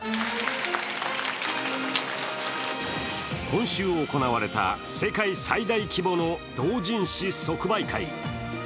今週行われた世界最大規模の同人誌即売会。